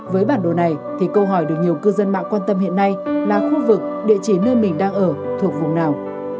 với bản đồ này thì câu hỏi được nhiều cư dân mạng quan tâm hiện nay là khu vực địa chỉ nơi mình đang ở thuộc vùng nào